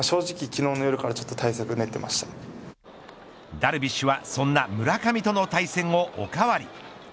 ダルビッシュはそんな村上との対戦をおかわり。